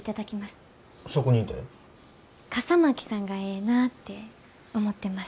笠巻さんがええなって思ってます。